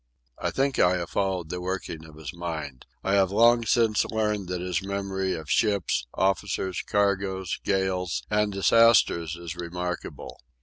I think I have followed the working of his mind. I have long since learned that his memory of ships, officers, cargoes, gales, and disasters is remarkable.